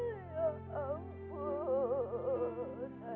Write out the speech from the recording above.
ya ampun isa